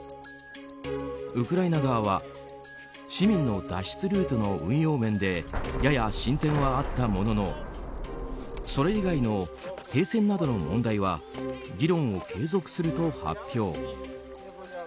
ウクライナ側は市民の脱出ルートの運用面でやや進展はあったもののそれ以外の停戦などの問題は議論を継続すると発表。